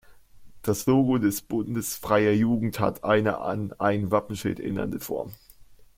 Das Logo des Bundes freier Jugend hat eine an ein Wappenschild erinnernde Form.